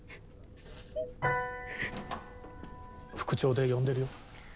副調で呼んでるよ